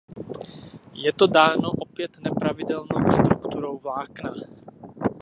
Je to dáno opět nepravidelnou strukturou vlákna.